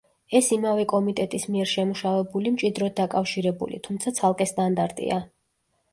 ეს იმავე კომიტეტის მიერ შემუშავებული მჭიდროდ დაკავშირებული, თუმცა ცალკე სტანდარტია.